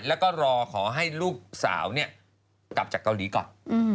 แล้วก็รอขอให้ลูกสาวกลับจากเกาหลีก่อน